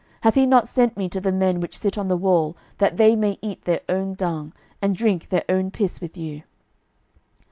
hath he not sent me to the men which sit on the wall, that they may eat their own dung, and drink their own piss with you?